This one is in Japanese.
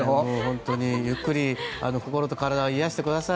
本当にゆっくり心と体を癒やしてください。